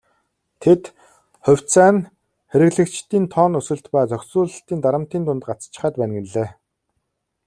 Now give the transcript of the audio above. Тэд "хувьцаа нь хэрэглэгчдийн тоон өсөлт ба зохицуулалтын дарамтын дунд гацчихаад байна" гэлээ.